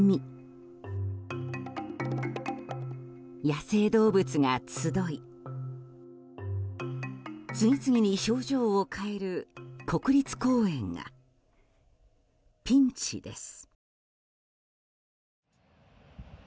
野生動物が集い次々に表情を変える国立公園がピンチです。